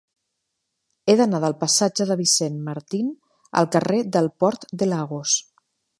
He d'anar del passatge de Vicent Martín al carrer del Port de Lagos.